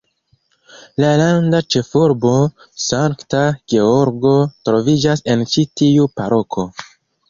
La landa ĉefurbo, Sankta Georgo troviĝas en ĉi tiu paroko.